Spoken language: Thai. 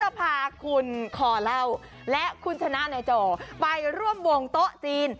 จะพาคุณคอเล่าและคุณชนะในจอไปร่วมวงโต๊ะจีน